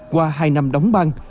qua hai năm đóng băng